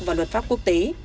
và luật pháp quốc tế